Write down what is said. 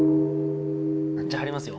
じゃあ貼りますよ。